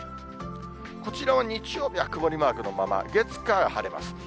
こちらは日曜日は曇りマークのまま、月、火が晴れます。